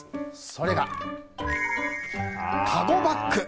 それが、カゴバッグ。